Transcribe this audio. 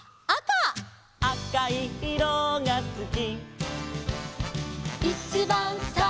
「あおいいろがすき」